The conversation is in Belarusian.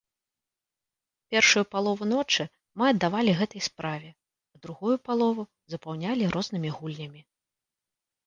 Першую палову ночы мы аддавалі гэтай справе, а другую палову запаўнялі рознымі гульнямі.